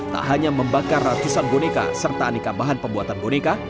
tak hanya membakar ratusan boneka serta aneka bahan pembuatan boneka